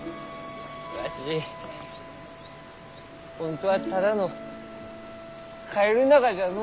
わし本当はただのカエルながじゃのう！